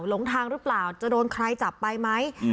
หลงทางหรือเปล่าจะโดนใครจับไปไหม